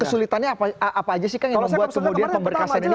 kesulitannya apa aja sih kan yang membuat pemberkasan ini bisa memakan waktu lama